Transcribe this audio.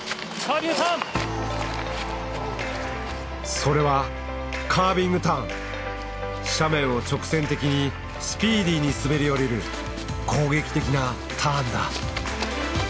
それは斜面を直線的にスピーディーに滑り降りる攻撃的なターンだ。